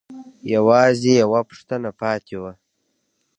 يوازې يوه پوښتنه پاتې وه.